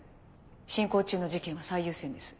進行中の事件は最優先です。